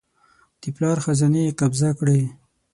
د پلار خزانې یې قبضه کړې.